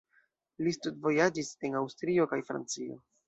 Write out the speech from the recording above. Li studvojaĝis en Aŭstrio kaj Francio.